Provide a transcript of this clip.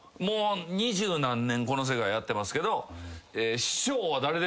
もう二十何年この世界やってますけど。